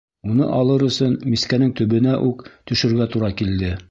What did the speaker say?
Уны алыр өсөн мискәнең төбөнә үк төшөргә тура килде.